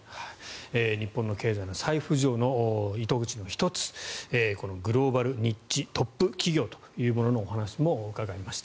日本の経済の再浮上の糸口の１つこのグローバルニッチトップ企業というもののお話も伺いました。